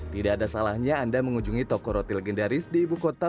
tidak ada salahnya anda mengunjungi toko roti legendaris di ibu kota